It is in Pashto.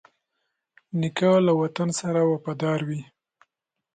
نیکه له وطن سره وفادار وي.